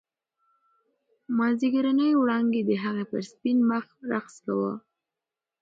مازیګرنۍ وړانګې د هغې پر سپین مخ رقص کاوه.